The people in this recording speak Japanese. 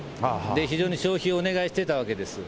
非常に消費をお願いしてたわけです。